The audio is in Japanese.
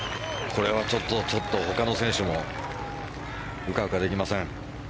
これは、ちょっと他の選手もうかうかできません。